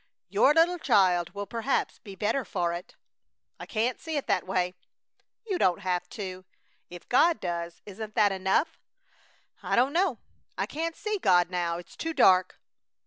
"Your little child will perhaps be better for it!" "I can't see it that way!" "You don't have to. If God does, isn't that enough?" "I don't know! I can't see God now; it's too dark!"